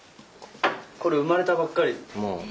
これ生まれたばっかり？